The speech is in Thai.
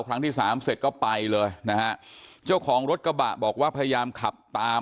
ครั้งที่สามเสร็จก็ไปเลยนะฮะเจ้าของรถกระบะบอกว่าพยายามขับตาม